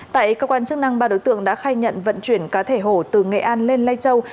tại cơ quan chức năng ba đối tượng đã khai nhận vận chuyển cá thể hổ từ nghệ an lên lây châu